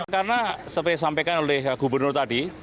karena seperti disampaikan oleh gubernur tadi